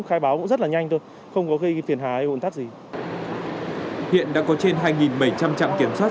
khai báo cũng rất là nhanh thôi không có gây phiền hà hay ồn tắc gì hiện đã có trên hai bảy trăm linh trạm kiểm soát